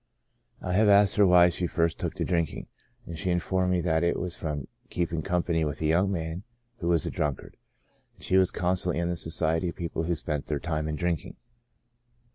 I asked her why she first took to drinking, and she informed me that it was from keeping company with a young man who was a drunkard, and she was constantly in the society of people who spent their time in drinking.